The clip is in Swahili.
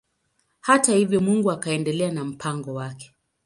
Hata hivyo Mungu akaendelea na mpango wake.